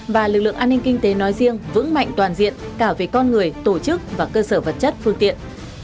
và lực lượng an ninh kinh tế nói riêng vững mạnh toàn diện cả về con người tổ chức và cơ sở vật chất phương tiện